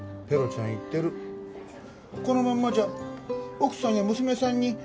ペロちゃん言ってる「このまんまじゃ奥さんや娘さんに」